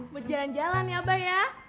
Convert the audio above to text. mau jalan jalan ya abah ya